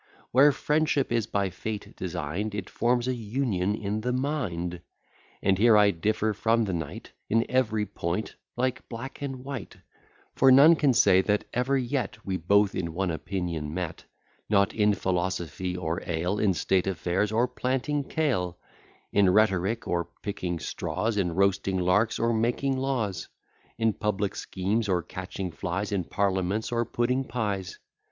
Where friendship is by Fate design'd, It forms a union in the mind: But here I differ from the knight In every point, like black and white: For none can say that ever yet We both in one opinion met: Not in philosophy, or ale; In state affairs, or planting kale; In rhetoric, or picking straws; In roasting larks, or making laws; In public schemes, or catching flies; In parliaments, or pudding pies.